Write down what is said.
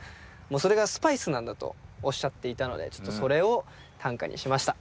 もうそれがスパイスなんだとおっしゃっていたのでちょっとそれを短歌にしました。